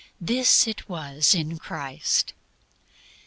This it was in Christ.